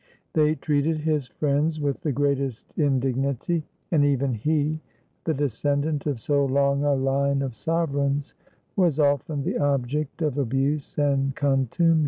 They treated his friends with the great est indignity; and even he, the descendant of so long a line of sovereigns, was often the object of abuse and con tumely.